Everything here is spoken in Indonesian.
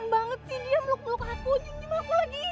banget sih dia meluk meluk aku lagi